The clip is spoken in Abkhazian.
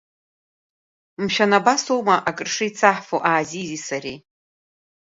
Мшәан, абас аума акыршеицаҳфо Аазизи сареигьы.